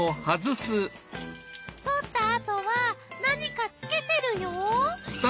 取ったあとは何かつけてるよ。